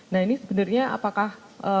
nah ini sebenarnya apakah